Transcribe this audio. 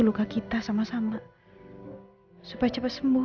luka kita sama sama supaya cepat sembuh